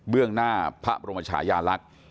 เบื้องหน้าพระบรมราชายาลักษณ์